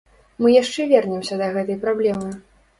Мы яшчэ вернемся да гэтай праблемы.